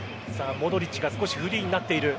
モドリッチが少しフリーになっている。